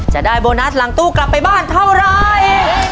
จะได้โบนัสหลังตู้กลับไปบ้านเท่าไร